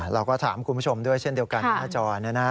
เราก็ถามคุณผู้ชมด้วยเช่นเดียวกันหน้าจอ